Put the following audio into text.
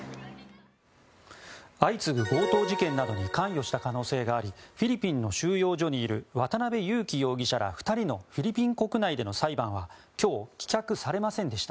相次ぐ強盗事件などに関与した可能性がありフィリピンの収容所にいる渡邉優樹容疑者ら２人のフィリピン国内での裁判は今日、棄却されませんでした。